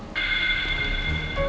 dia diikutin sama mobil